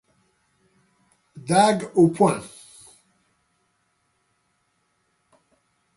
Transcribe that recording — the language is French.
Dague au poing.